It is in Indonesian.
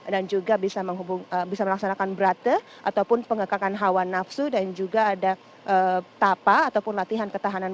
dan juga bisa melaksanakan brathha ataupun pengakahan hawan nafsu dan juga ada papa ataupun latihan ketahanan mendalamnya